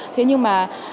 thế nhưng mà